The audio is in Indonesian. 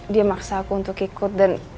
dia maksa aku untuk ikut dan